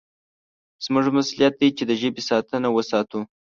زموږ مسوولیت دی چې د ژبې ساتنه وساتو.